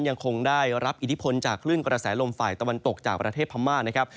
ยังคงได้รับอิทธิพลจากคลื่นกระแสลมฝ่ายตะวันตกจากประเทศพม่านะครับ